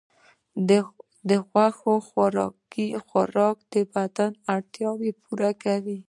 د غوښې خوراک د بدن اړتیاوې پوره کوي.